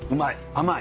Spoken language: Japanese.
甘い！